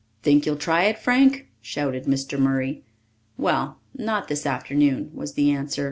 "Think you'll try it, Frank?" shouted Mr. Murray. "Well, not this afternoon," was the answer.